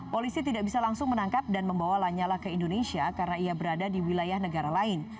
polisi tidak bisa langsung menangkap dan membawa lanyala ke indonesia karena ia berada di wilayah negara lain